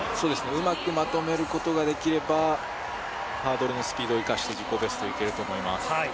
うまくまとめることができれば、ハードルのスピードを生かして自己ベストいけると思います。